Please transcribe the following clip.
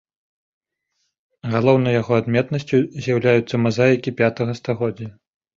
Галоўнай яго адметнасцю з'яўляюцца мазаікі пятага стагоддзя.